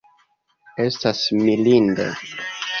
Estas mirinde.